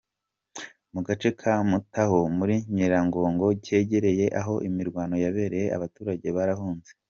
Mu gace ka Mutaho muri Nyiragongo kegereye aho imirwano yabereye abaturage barahunze.